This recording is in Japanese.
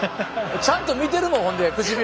ちゃんと見てるもんほんで唇。